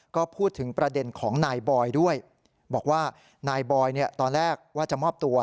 ก็พูดถึงประเด็นของนายบอยด้วยบอกว่านายบอยตอนแรกว่าจะมอบตัว